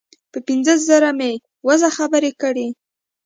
په پنځه زره مې وزه خبرې کړې.